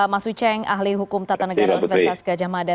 mas ucheng ahli hukum tata negara universitas gajah mada